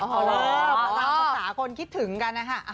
ตามคำสาขาคนคิดถึงกันนะฮะ